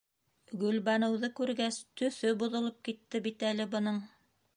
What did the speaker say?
Гөлбаныуҙы күргәс, төҫө боҙолоп китте бит әле бының.